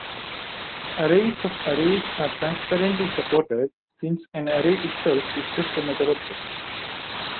Arrays of arrays are transparently supported since an array itself is just another object.